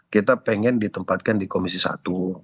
kita pengen ditempatkan di komisi satu